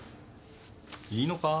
いいのか？